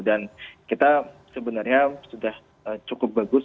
dan kita sebenarnya sudah cukup bagus